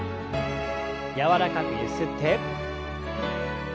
柔らかくゆすって。